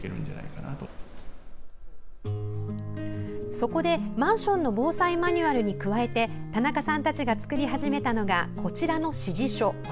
そこで、マンションの防災マニュアルに加えて田中さんたちが作り始めたのがこちらの指示書。